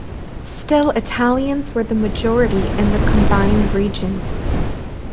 Still Italians were the majority in the combined region.